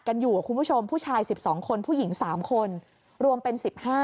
อยู่คุณผู้ชมผู้ชาย๑๒คนผู้หญิง๓คนรวมเป็น๑๕